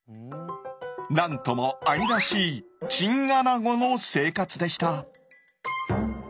何とも愛らしいチンアナゴの生活でした！